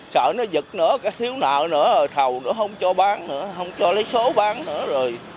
sợ nó giật nữa cái thiếu nợ nữa rồi thầu nó không cho bán nữa không cho lấy số bán nữa rồi